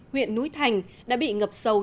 huyện núi thành đã bị ngập sâu